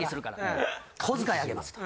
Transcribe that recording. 「小遣い上げます」と。